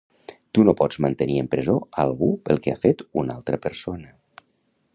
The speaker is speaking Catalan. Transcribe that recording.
Tu no pots mantenir en presó algú pel que ha fet una altra persona.